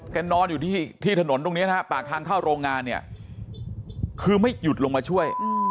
นอนอยู่ที่ถนนตรงนี้นะฮะปากทางเข้าโรงงานเนี่ยคือไม่หยุดลงมาช่วย